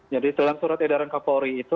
jadi dalam surat edaran nk polri itu